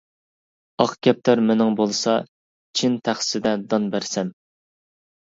ئاق كەپتەر مېنىڭ بولسا، چىن تەخسىدە دان بەرسەم.